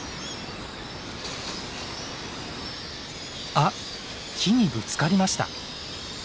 あっ木にぶつかりました。